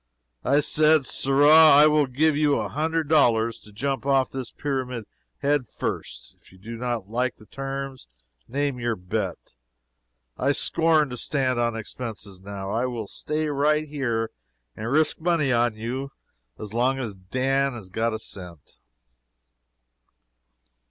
I said, "Sirrah, I will give you a hundred dollars to jump off this pyramid head first. If you do not like the terms, name your bet. I scorn to stand on expenses now. I will stay right here and risk money on you as long as Dan has got a cent."